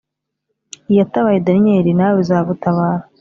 Iyatabaye Daniyeli nawe izagutabara